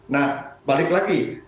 nah balik lagi